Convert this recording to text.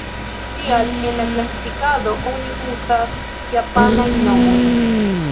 Tial en la klasifikado oni uzas japanajn nomojn.